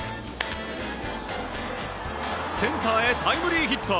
センターへタイムリーヒット。